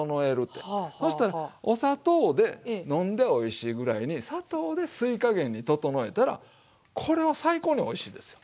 お砂糖で飲んでおいしいぐらいに砂糖で吸いかげんに調えたらこれは最高においしいですよ。